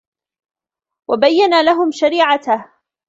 وَبَيَّنَ لَهُمْ شَرِيعَتَهُ